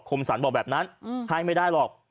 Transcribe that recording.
มสรรบอกแบบนั้นให้ไม่ได้หรอก